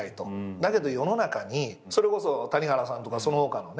だけど世の中にそれこそ谷原さんとかその他のね